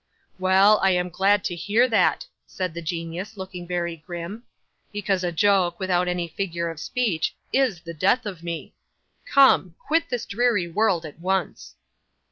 '"Well, I am glad to hear that," said the genius, looking very grim, "because a joke, without any figure of speech, IS the death of me. Come! Quit this dreary world at once."